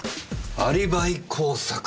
アリバイ工作だね。